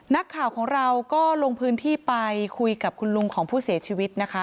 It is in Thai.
นักข่าวของเราก็ลงพื้นที่ไปคุยกับคุณลุงของผู้เสียชีวิตนะคะ